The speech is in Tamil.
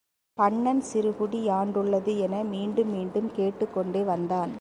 பண்ணன் சிறுகுடி யாண்டுள்ளது? என மீண்டும் மீண்டும் கேட்டுக் கொண்டே வந்தான்.